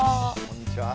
こんにちは。